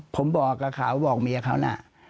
ผมบอกกับเขาบอกเมียเขาน่ะ